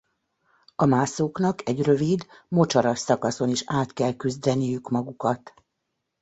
A mászóknak egy rövid mocsaras szakaszon is át kell küzdeniük magukat.